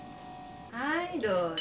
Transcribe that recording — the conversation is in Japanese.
はいどうぞ。